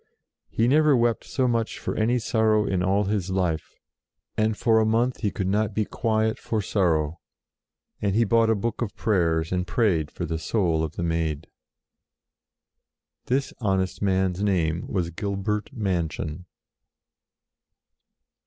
" He never wept so much for any sorrow in all his life, and for a month he could not be quiet for sorrow : and he bought a book of prayers and prayed for the soul of the Maid." This honest man's name was Gilbert Manchon.